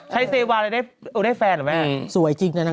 ใช้เซวาแล้วได้แฟนหรือเปล่า